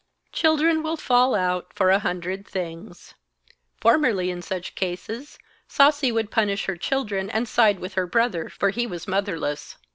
Children will fall out for a hundred things. Formerly in such cases, Sasi would punish her children, and side with her brother, for he was motherless.